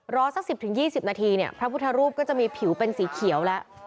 สัก๑๐๒๐นาทีเนี่ยพระพุทธรูปก็จะมีผิวเป็นสีเขียวแล้ว